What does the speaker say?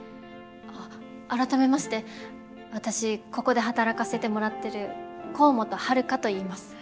改めまして私ここで働かせてもらってる幸本ハルカといいます。